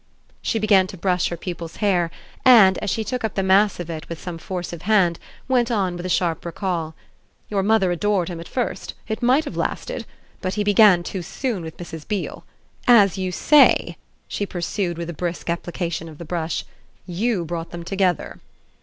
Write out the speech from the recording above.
She began to brush her pupil's hair and, as she took up the mass of it with some force of hand, went on with a sharp recall: "Your mother adored him at first it might have lasted. But he began too soon with Mrs. Beale. As you say," she pursued with a brisk application of the brush, "you brought them together."